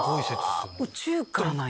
宇宙からなんや。